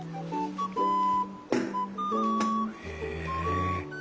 へえ。